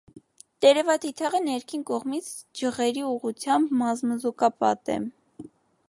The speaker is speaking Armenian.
Տերևաթիթեղը ներքին կողմից, ջղերի ուղղությամբ, մազմզուկապատ է։